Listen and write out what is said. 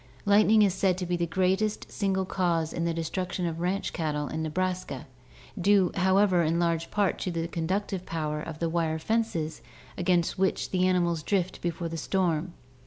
Lightning is said to be the greatest single cause in the destruction of ranch cattle in Nebraska, due, however, in large part to the conductive power of the wire fences against which the animals drift before the storm.